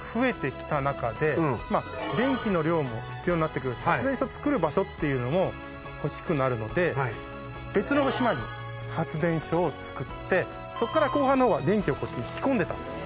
電気の量も必要になるし発電所造る場所っていうのも欲しくなるので別の島に発電所を造ってそっから後半の方は電気をこっちに引き込んでた。